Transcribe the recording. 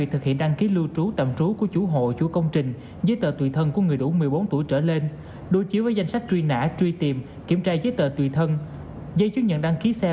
hãy đăng ký kênh để ủng hộ kênh của mình nhé